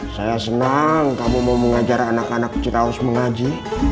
saya senang kamu mau mengajar anak anak ciraus mengaji